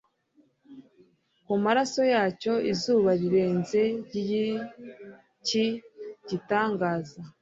kumaraso yacyo, izuba rirenze ryiki gitangaza